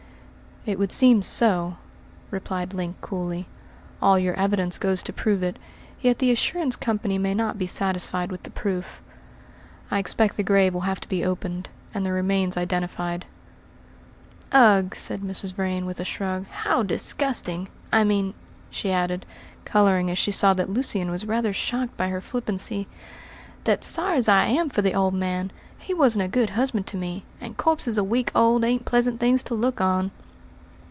"It would seem so," replied Link coolly. "All your evidence goes to prove it, yet the assurance company may not be satisfied with the proof. I expect the grave will have to be opened, and the remains identified." "Ugh!" said Mrs. Vrain with a shrug, "how disgusting! I mean," she added, colouring as she saw that Lucian was rather shocked by her flippancy, "that sorry as I am for the old man, he wasn't a good husband to me, and corpses a week old ain't pleasant things to look on."